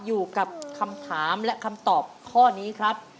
อยู่กับคำถามและคำตอบข้อนี้ครับ